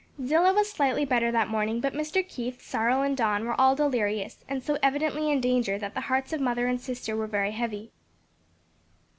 Zillah was slightly better that morning, but Mr. Keith, Cyril and Don were all delirious and so evidently in danger that the hearts of mother and sister were very heavy.